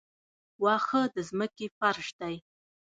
واښه د ځمکې فرش دی